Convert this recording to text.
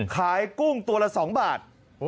กุ้งตัวละ๒บาท